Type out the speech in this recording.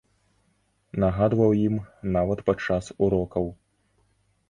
Нагадваў ім нават падчас урокаў.